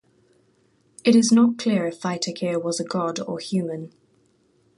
It is not clear if Vaitakere was a god or human.